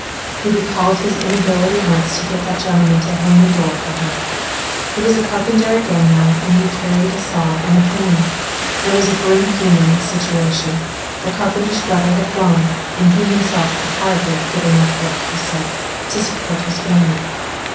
He recalled his inability once to get that gentleman to hang a door for him. He was a carpenter again now and he carried a saw and a plane. There was grim humour in the situation. The carpenter's brother had gone and he himself could hardly get enough work, he said, to support his family.